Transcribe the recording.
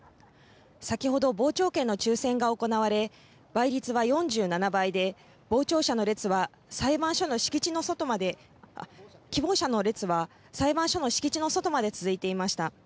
先ほど傍聴券の抽せんが行われ倍率は４７倍で希望者の列は裁判所の敷地の外まで続いていました。